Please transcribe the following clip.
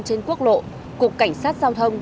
trên quốc lộ cục cảnh sát giao thông